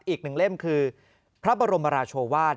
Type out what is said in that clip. อีกหนึ่งเล่มคือพระบรมราชวาส